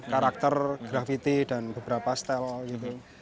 karakter grafiti dan beberapa style gitu